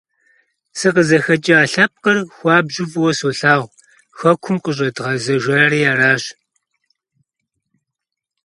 СыкъызыхэкӀа лъэпкъыр хуабжьу фӀыуэ солъагъу, хэкум къыщӀэдгъэзэжари аращ.